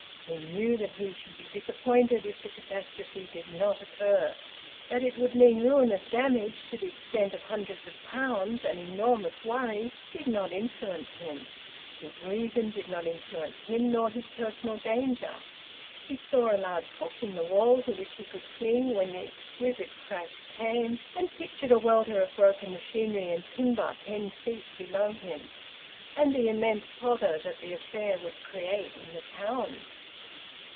He knew that he should be disappointed if the catastrophe did not occur. That it would mean ruinous damage to the extent of hundreds of pounds, and enormous worry, did not influence him. His reason did not influence him, nor his personal danger. He saw a large hook in the wall to which he could cling when the exquisite crash came, and pictured a welter of broken machinery and timber ten feet below him, and the immense pother that the affair would create in the town.